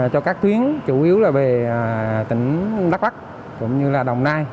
cho các chuyến chủ yếu là về tỉnh đắk bắc cũng như là đồng nai